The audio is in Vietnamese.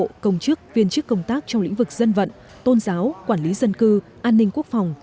cán bộ công chức viên chức công tác trong lĩnh vực dân vận tôn giáo quản lý dân cư an ninh quốc phòng